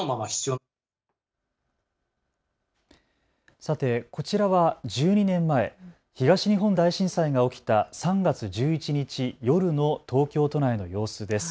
さて、こちらは１２年前、東日本大震災が起きた３月１１日夜の東京都内の様子です。